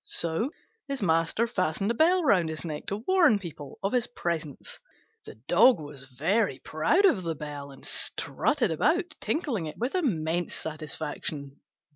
So his master fastened a bell round his neck to warn people of his presence. The Dog was very proud of the bell, and strutted about tinkling it with immense satisfaction.